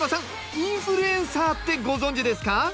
インフルエンサーってご存じですか？